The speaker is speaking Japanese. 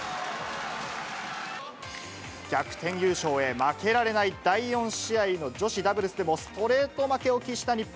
逆転優勝へ負けられない第４試合の女子ダブルスでも、ストレート負けを喫した日本。